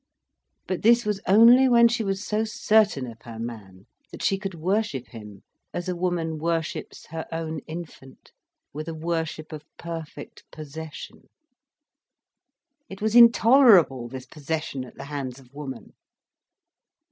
But this was only when she was so certain of her man, that she could worship him as a woman worships her own infant, with a worship of perfect possession. It was intolerable, this possession at the hands of woman.